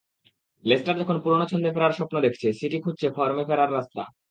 Leicester যখন পুরোনো ছন্দে ফেরার স্বপ্ন দেখছে, সিটি খুঁজছে ফর্মে ফেরার রাস্তা।